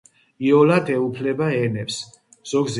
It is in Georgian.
იოლად ეუფლება ენებს.